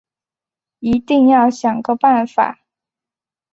一定要想个办法